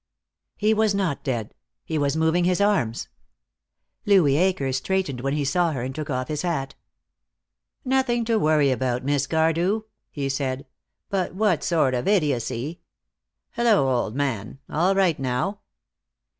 He was not dead. He was moving his arms. Louis Akers straightened when he saw her and took off his hat. "Nothing to worry about, Miss Cardew," he said. "But what sort of idiocy ! Hello, old man, all right now?"